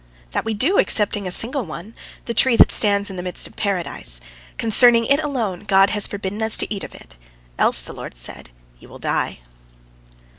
"That we do, excepting a single one, the tree that stands in the midst of Paradise. Concerning it alone, God has forbidden us to eat of it, else, the Lord said, ye will die."